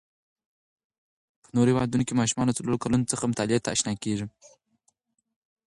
په نورو هیوادو کې ماشومان له څلورو کلونو څخه مطالعې ته آشنا کېږي.